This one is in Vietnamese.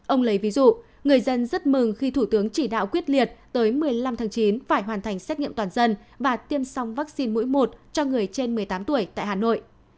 ông lấy ví dụ người dân rất mừng khi thủ tướng chỉ đạo quyết liệt tới một mươi năm tháng chín phải hoàn thành xét nghiệm toàn dân và tiêm xong vaccine mũi một cho người trên một mươi tám tuổi tại hà nội